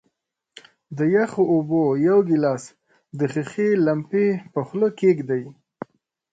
د یخو اوبو یو ګیلاس د ښيښې لمپې په خولې کیږدئ.